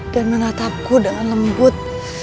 dan menatapku dengan lembut